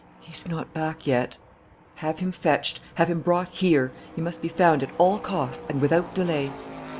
"He's not back yet." "Have him fetched! Have him brought here! He must be found at all costs and without delay."